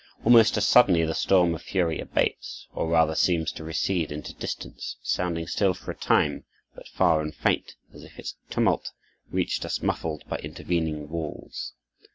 Almost as suddenly the storm of fury abates, or rather seems to recede into distance, sounding still for a time, but far and faint, as if its tumult reached us muffled by intervening walls.